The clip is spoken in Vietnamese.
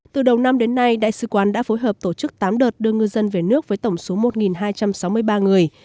từ đầu năm đến nay đại sứ quán đã phối hợp tổ chức tám đợt đưa ngư dân về nước với tổng số một hai trăm sáu mươi ba người